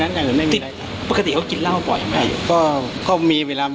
อย่างอื่นไม่มีอะไรปกติเขากินเหล้าบ่อยไหมก็ก็มีเวลา